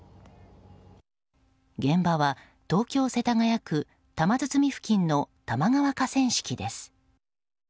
現場は、東京・世田谷区多摩堤付近の多摩川河川敷です。